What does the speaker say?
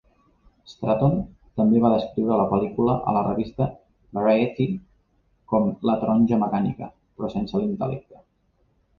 Stratton també va descriure la pel·lícula a la revista "Variety" com "'La taronja mecànica' però sense l'intel·lecte".